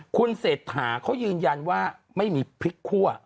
คุณเศรษฐาเขายืนยันว่าไม่มีพริกคั่ว